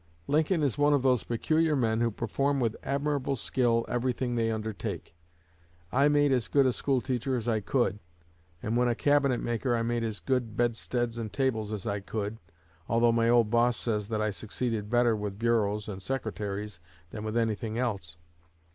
Lincoln is one of those peculiar men who perform with admirable skill everything they undertake. I made as good a school teacher as I could, and when a cabinet maker I made as good bedsteads and tables as I could although my old boss says that I succeeded better with bureaus and secretaries than with anything else.